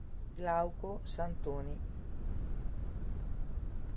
Glauco Santoni